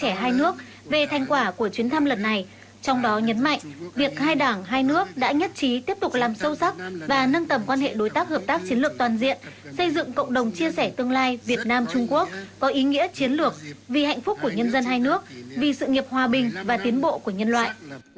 chia sẻ hai nước về thành quả của chuyến thăm lần này trong đó nhấn mạnh việc hai đảng hai nước đã nhất trí tiếp tục làm sâu sắc và nâng tầm quan hệ đối tác hợp tác chiến lược toàn diện xây dựng cộng đồng chia sẻ tương lai việt nam trung quốc có ý nghĩa chiến lược vì hạnh phúc của nhân dân hai nước vì sự nghiệp hòa bình và tiến bộ của nhân loại